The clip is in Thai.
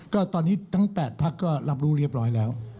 ก็ตอนนี้ทั้ง๘พักก็รับรู้เรียบร้อยแล้ว